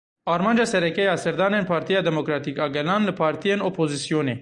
Armanca sereke ya serdanên Partiya Demokratîk a Gelan li partiyên opozisyonê.